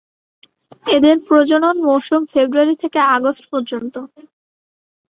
এদের প্রজনন মৌসুম ফেব্রুয়ারি থেকে অগাস্ট পর্যন্ত।